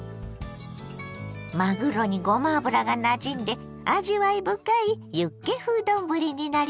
まぐろにごま油がなじんで味わい深いユッケ風丼になりました。